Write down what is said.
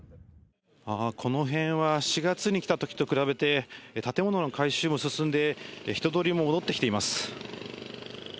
ああー、この辺は４月に来たときと比べて、建物の改修も進んで、人通りも戻ってきています。